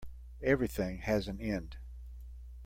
Everything has an end.